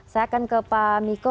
saya akan ke pak miko